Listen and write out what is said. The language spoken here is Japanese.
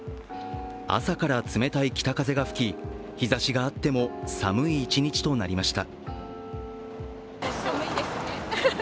朝から冷たい北風が吹き、日ざしがあっても寒い一日となりました。